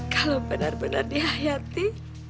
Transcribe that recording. kalau benar benar dihayati